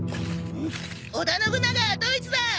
織田信長はどいつだ？